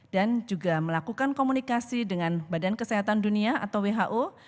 dan juga melakukan komunikasi dengan badan kesehatan dunia atau who